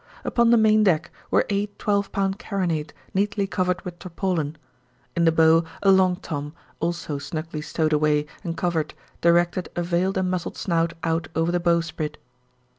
Upon the main deck were eight twelve pound carronade neatly covered with tarpaulin; in the bow a Long Tom, also snugly stowed away and covered, directed a veiled and muzzled snout out over the bowsprit.